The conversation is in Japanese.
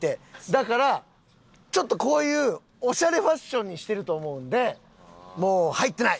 だからちょっとこういうオシャレファッションにしてると思うんでもう「入ってない」。